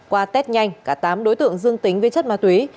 qua test nhanh cả tám đối tượng dương tính với chất ma túy